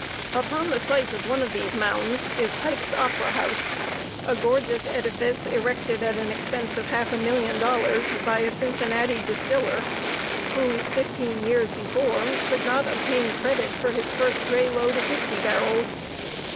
Upon the site of one of these mounds is Pike's Opera House, a gorgeous edifice, erected at an expense of half a million of dollars, by a Cincinnati distiller, who, fifteen years before, could not obtain credit for his first dray load of whisky barrels.